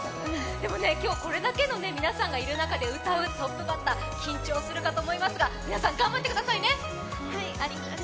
でもね、これだけの皆さんがいる中で歌うトップバッター、緊張すると思いますが皆さん、頑張ってくださいね。